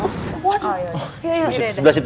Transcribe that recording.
sebelah situ sebelah situ